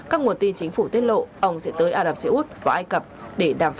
các nguồn tin chính phủ tiết lộ ông sẽ tới ả rập xê út và ai cập để đàm phán